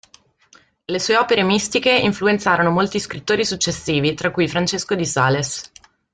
Le sue opere mistiche influenzarono molti scrittori successivi, tra cui Francesco di Sales.